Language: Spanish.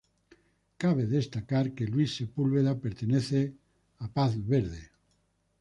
Cabe destacar que Luis Sepúlveda pertenece a Greenpeace.